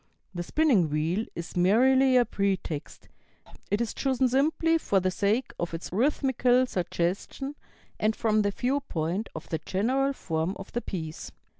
The spinning wheel is merely a pretext; it is chosen simply for the sake of its rhythmical suggestion and from the viewpoint of the general form of the piece."